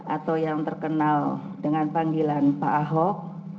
atau yang terkenal dengan panggilan pak ahok